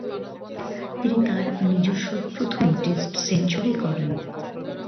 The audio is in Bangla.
তিনি তার নিজস্ব প্রথম টেস্ট সেঞ্চুরি করেন।